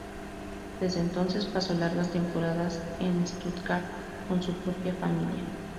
Desde entonces pasó largas temporadas en Stuttgart, con su propia familia.